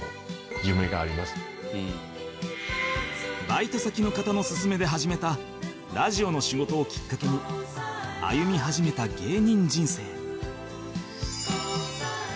バイト先の方の勧めで始めたラジオの仕事をきっかけに歩み始めた芸人人生